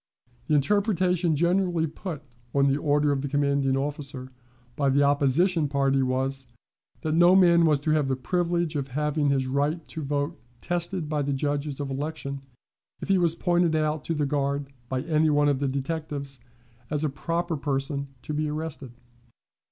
The interpretation generally put on the order of the commanding officer by the opposition party was, that no man was to have the privilege of having his right to vote tested by the judges of election if he was pointed out to the guard by any one of the detectives as a proper person to be arrested.